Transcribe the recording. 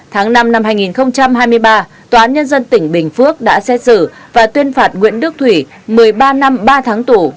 tháng năm năm hai nghìn hai mươi ba tòa án nhân dân tỉnh bình phước đã xét xử và tuyên phạt nguyễn đức thủy một mươi ba năm ba tháng tù